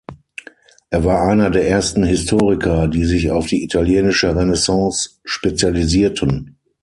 Er war einer der ersten Historiker, die sich auf die italienische Renaissance spezialisierten.